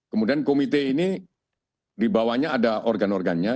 kemudian komite ini dibawahnya ada organ organnya